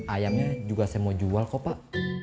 ayamnya juga saya mau jual kok pak